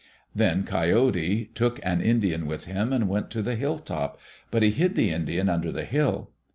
Then Coyote took an Indian with him and went to the hill top, but he hid the Indian under the hill.